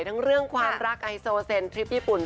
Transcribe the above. เรื่องความรักไฮโซเซนทริปญี่ปุ่น